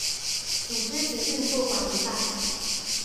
組織及運作管理辦法